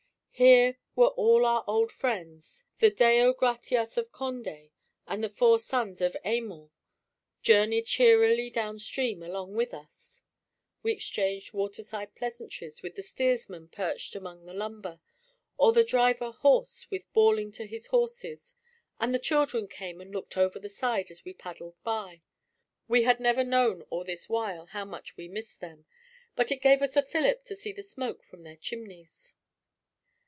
Here were all our old friends; the Deo Gratias of Condé and the Four Sons of Aymon journeyed cheerily down stream along with us; we exchanged waterside pleasantries with the steersman perched among the lumber, or the driver hoarse with bawling to his horses; and the children came and looked over the side as we paddled by. We had never known all this while how much we missed them; but it gave us a fillip to see the smoke from their chimneys.